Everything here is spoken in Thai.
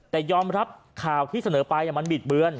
แต่ยอมรับข่าวที่เสนอไปมันบิดเบือน